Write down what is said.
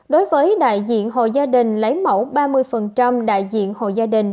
đối với đại diện hội gia đình lấy mẫu ba mươi đại diện hội gia đình